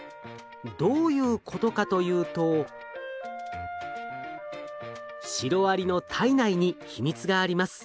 どういうことかというとシロアリの体内に秘密があります。